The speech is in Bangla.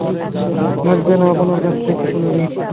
লাগবে না আপনার কাছ থেকে কোন ঋণ।